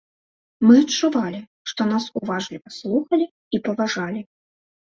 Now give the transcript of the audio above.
Мы адчувалі, што нас уважліва слухалі і паважалі.